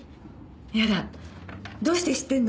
やだどうして知ってんの？